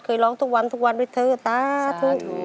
ร้องทุกวันทุกวันด้วยเถอะสาธุ